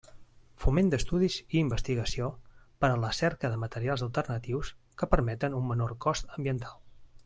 Foment d'estudis i investigació per a la cerca de materials alternatius que permeten un menor cost ambiental.